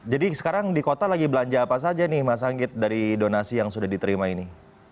jadi sekarang di kota lagi belanja apa saja nih mas anggit dari donasi yang sudah diterima ini